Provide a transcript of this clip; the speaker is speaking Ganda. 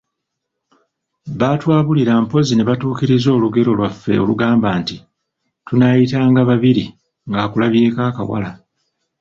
Batwabulira mpozzi nebatuukiriza olugero lwaffe olugamba nti, “Tunaayitanga babiri ng'akulabyeko akawala.”